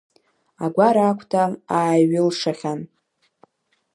Агәара агәҭа ааиҩылшахьан!